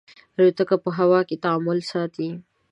الوتکه په هوا کې تعادل ساتي.